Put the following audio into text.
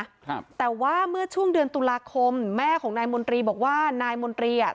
ครับแต่ว่าเมื่อช่วงเดือนตุลาคมแม่ของนายมนตรีบอกว่านายมนตรีอ่ะ